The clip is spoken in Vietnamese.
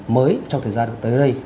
mới trong thời gian được tới đây